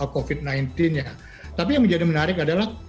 covid sembilan belas ya tapi yang menjadi menarik adalah